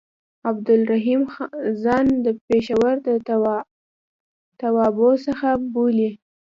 عبدالرحیم ځان د پېښور د توابعو څخه بولي.